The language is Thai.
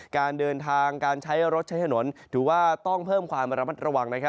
การเดินทางการใช้รถใช้ถนนถือว่าต้องเพิ่มความระมัดระวัง